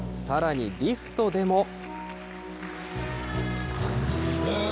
さらにリフトでも。